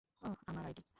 ওহ, আমার আইডি।